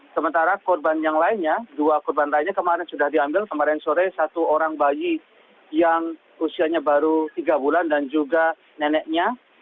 sementara korban yang lainnya dua korban lainnya kemarin sudah diambil kemarin sore satu orang bayi yang usianya baru tiga bulan dan juga neneknya